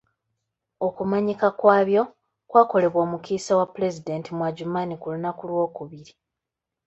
Okumanyika kwabyo kwakolebwa omukiise wa ppulezidenti mu Adjumani ku lunaku lw'okubiri.